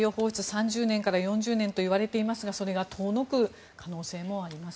３０年から４０年といわれていますがそれが遠のく可能性もあります。